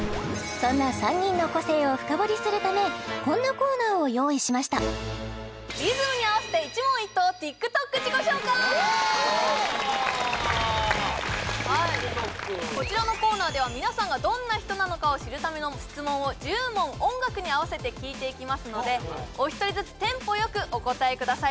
そんな３人の個性を深掘りするためこんなコーナーを用意しましたこちらのコーナーでは皆さんがどんな人なのかを知るための質問を１０問音楽に合わせて聞いていきますのでお一人ずつテンポよくお答えください